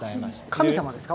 神様ですか？